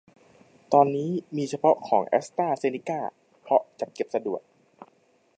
ตอนนี้มีเฉพาะของแอสตาเซเนก้า เพราะจัดเก็บสะดวก